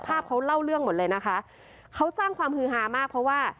ภาพเขาเล่าเรื่องหมดเลยนะคะเขาสร้างความฮือฮามากเพราะว่า